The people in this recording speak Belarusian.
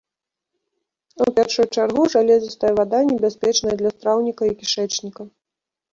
У першую чаргу жалезістая вада небяспечная для страўніка і кішэчніка.